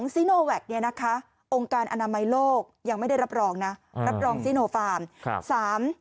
ซีโนแวคเนี่ยนะคะองค์การอนามัยโลกยังไม่ได้รับรองนะรับรองซีโนฟาร์ม